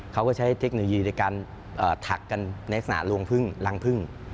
เขาก็ใช้เทคโนโลยีในการถักกันในลักษณะลวงพึ่งรังพึ่ง